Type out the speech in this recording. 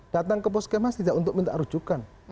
datang ke puskesmas tidak untuk minta rujukan